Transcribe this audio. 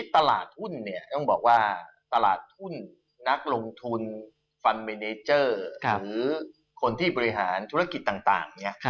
ตลาดทุนเนี่ยต้องบอกว่าตลาดทุนนักลงทุนฟันเมเนเจอร์หรือคนที่บริหารธุรกิจต่างเนี่ย